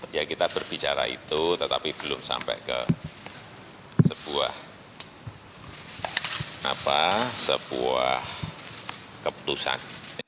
ya kita berbicara itu tetapi belum sampai ke sebuah keputusan